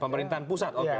pemerintahan pusat oke